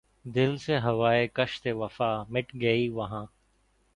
دل سے ہواے کشتِ وفا مٹ گئی کہ واں